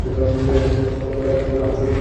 ফল গোলাকার, ছোট থেকে মাঝারি।